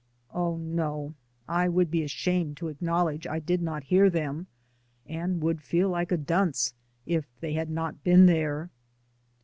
"Oh, no. I would be ashamed to acknowl edge I did not hear them, and would feel like a dunce if they had not been there."